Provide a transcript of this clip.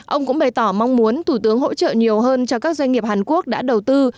ông cũng bày tỏ mong muốn thủ tướng hỗ trợ nhiều hơn cho các doanh nghiệp hàn quốc đã đầu tư